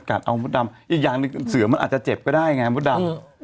เอามดดำอีกอย่างหนึ่งเสือมันอาจจะเจ็บก็ได้ไงมดดำ